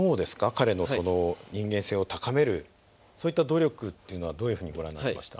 彼の人間性を高めるそういった努力っていうのはどういうふうにご覧になってました？